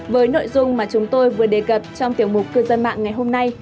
với nội dung mà chúng tôi vừa đề cập trong tiểu mục cư dân mạng ngày hôm nay